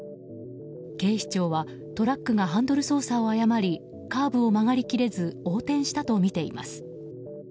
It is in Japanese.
警視庁はトラックがハンドル操作を誤りカーブを曲がり切れず横転したとみています。